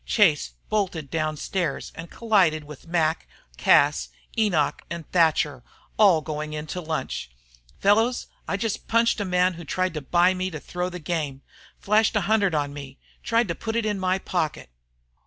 Chase bolted downstairs to collide with Mac, Cas, Enoch, and Thatcher, all going in to lunch. "Fellows, I just punched a man who tried to buy me to throw the game. Flashed a hundred on me. Tried to put it in my pocket."